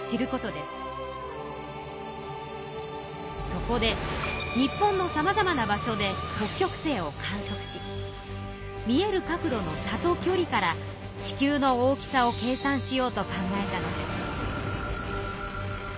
そこで日本のさまざまな場所で北極星を観測し見える角度の差と距離から地球の大きさを計算しようと考えたのです。